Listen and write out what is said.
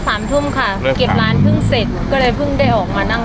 สามทุ่มค่ะเก็บร้านพึ่งเสร็จก็เลยเพิ่งได้ออกมานั่ง